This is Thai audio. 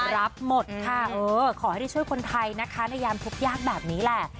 รับหมดค่ะเออขอให้ได้ช่วยคนไทยนะคะในยามทุกข์ยากแบบนี้แหละ